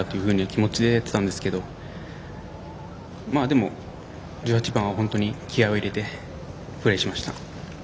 気持ちで打ってたんですけどでも１８番は本当に気合いを入れてプレーしました。